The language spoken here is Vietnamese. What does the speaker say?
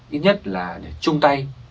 ít nhất là để chung tay